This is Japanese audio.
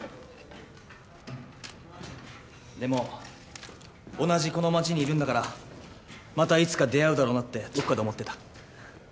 でも同じこの街にいるんだからまたいつか出会うだろうなってどっかで思ってた。